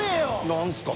何すか？